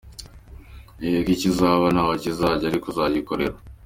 Yego icyo uzaba ntaho kizajya, ariko uragikorera!.